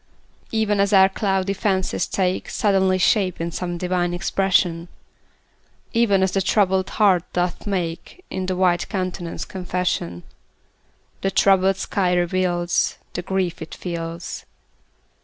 Even as our cloudy fancies take Suddenly shape in some divine expression, Even as the troubled heart doth make In the white countenance confession, The troubled sky reveals The grief it feels.